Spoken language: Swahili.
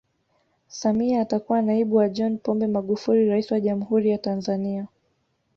Samia atakuwa naibu wa John Pombe Magufuli rais wa Jamhuri ya Tanzania